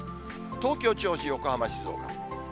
東京、銚子、横浜、静岡。